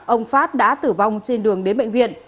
ông phát đã tử vong trên đường đến bệnh viện